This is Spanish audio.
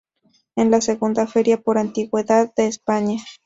Es la segunda feria por antigüedad de España.